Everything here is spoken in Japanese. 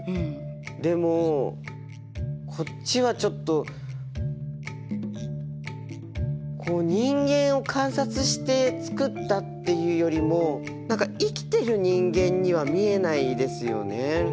でもこっちはちょっと人間を観察して作ったっていうよりも何か生きてる人間には見えないですよね。